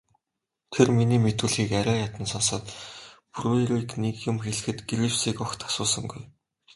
Тэр миний мэдүүлгийг арай ядан сонсоод Бруерыг нэг юм хэлэхэд Гривсыг огт асуусангүй.